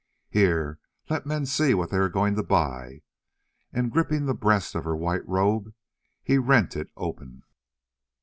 Here, let men see what they are going to buy," and gripping the breast of her white robe he rent it open.